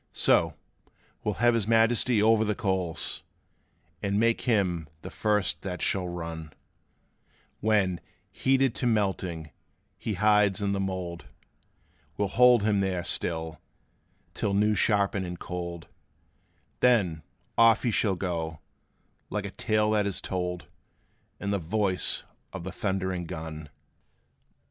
So, we 'll have his Majesty over the coals, And make him the first that shall run: When, heated to melting, he hides in the mould, We 'll hold him there still, till new shapen and cold; Then, off he shall go, like a tale that is told, In the voice of the thundering gun!